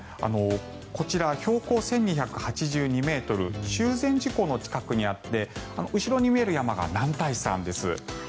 こちら、標高１２８２ｍ中禅寺湖の近くにあって後ろに見える山が男体山です。